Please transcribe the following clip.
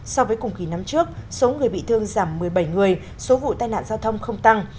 so với cùng kỳ năm trước số người bị thương giảm một mươi bảy người số vụ tai nạn giao thông không tăng